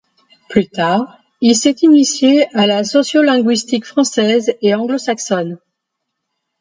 Plus tard, il s’est initié à la sociolinguistique française et anglo-saxonne.